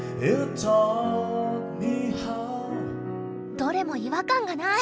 どれも違和感がない！